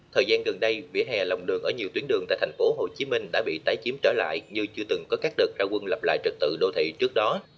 thời gian gần đây vỉa hè lòng đường ở nhiều tuyến đường tại tp hcm đã bị tái chiếm trở lại như chưa từng có các đợt ra quân lập lại trật tự đô thị trước đó